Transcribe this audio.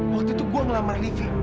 waktu itu gua ngelamar livi